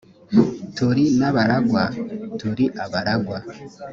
turi n abaragwa turi abaragwa